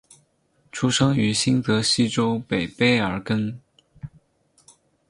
出生于新泽西州北卑尔根。